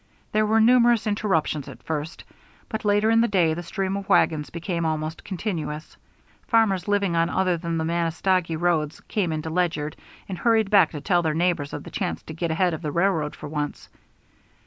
There were numerous interruptions at first, but later in the day the stream of wagons became almost continuous. Farmers living on other than the Manistogee roads came into Ledyard and hurried back to tell their neighbors of the chance to get ahead of the railroad for once.